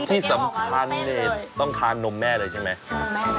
ที่สำคัญเนี่ยต้องทานนมแม่เลยใช่ไหม